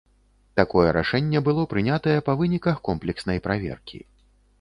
Такое рашэнне было прынятае па выніках комплекснай праверкі.